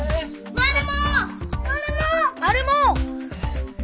マルモ？